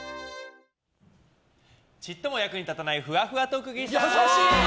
ちっとも役に立たないふわふわ特技さん！